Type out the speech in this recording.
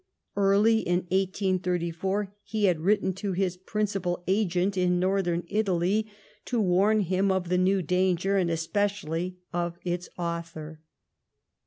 Early in 1S34 he had written to his princij)al agent in Northern Italy to warn him of the new danger, and especially of its author.